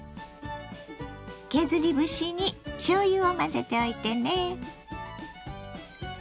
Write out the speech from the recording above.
削り節にしょうゆを混ぜておいてね。